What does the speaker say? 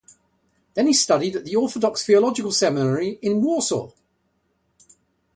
Then he studied at the Orthodox Theological Seminary in Warsaw.